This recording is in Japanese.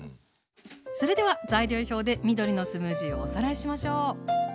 それでは材料表で緑のスムージーをおさらいしましょう。